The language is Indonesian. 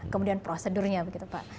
kemudian prosedurnya begitu pak